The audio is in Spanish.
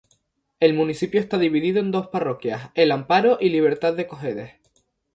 El municipio está dividido en dos parroquias, El Amparo y Libertad de Cojedes.